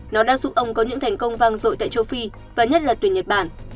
nó đã giúp ông có những thành công vang rội tại châu phi và nhất là tuyển nhật bản